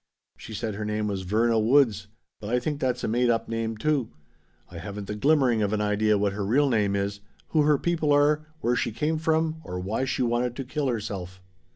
She said her name was Verna Woods, but I think that's a made up name, too. I haven't the glimmering of an idea what her real name is, who her people are, where she came from, or why she wanted to kill herself."